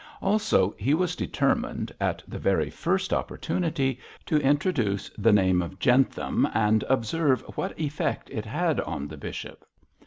Also he was determined, at the very first opportunity, to introduce the name of Jentham and observe what effect it had on the bishop.